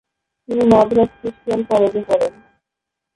তিনি 'Madras Christian College' এ পড়েন।